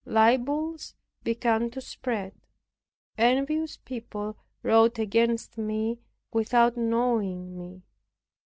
Libels began to spread. Envious people wrote against me, without knowing me.